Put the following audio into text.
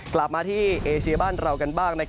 กลับมาที่เอเชียบ้านเรากันบ้าง